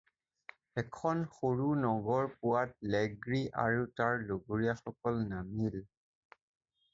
এখন সৰু নগৰ পোৱাত লেগ্ৰী আৰু তাৰ লগৰীয়াসকল নামিল।